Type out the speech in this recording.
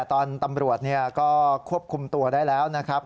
ตอนตำรวจก็ควบคุมตัวได้แล้วนะครับ